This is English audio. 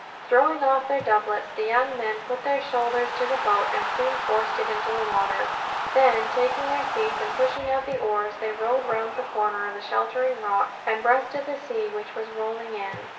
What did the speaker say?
Throwing off their doublets, the young men put their shoulders to the boat, and soon forced it into the water. Then, taking their seats and putting out the oars, they rowed round the corner of the sheltering rock, and breasted the sea which was rolling in.